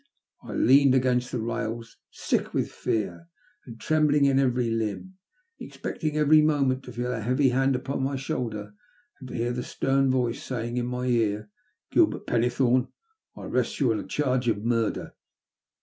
I leaned against the rails, sick with fear and trembling in every limb, expecting every moment to feel a heavy hand upon my shoulder, and to hear a stem voice saying in my ear —" Gilbert Pennethome, I arrest you on a charge of murder."